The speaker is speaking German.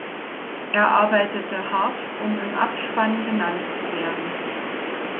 Er arbeitete hart, um im Abspann genannt zu werden.